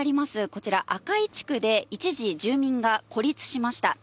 こちら、赤井地区で一時、住民が孤立しました。